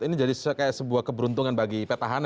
ini jadi kayak sebuah keberuntungan bagi petahana